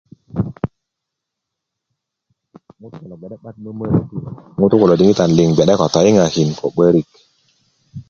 ŋutu' kulo diŋitan liŋ gbe'de ko toyiŋakin ko 'barik